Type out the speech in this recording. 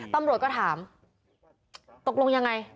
ตำรวจก็ถามตกลงยังไง